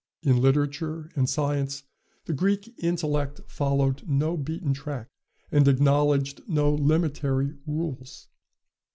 In literature and science the Greek intellect followed no beaten track, and acknowledged no limitary rules.